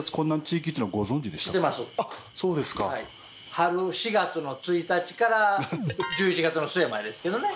春４月の１日から１１月の末までですけどね。